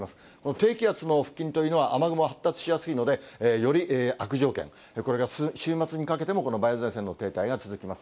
低気圧の付近というのは、雨雲発達しやすいので、より悪条件、これが週末にかけても、この梅雨前線の停滞が続きます。